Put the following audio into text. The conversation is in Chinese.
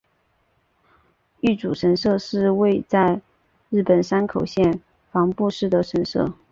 玉祖神社是位在日本山口县防府市的神社。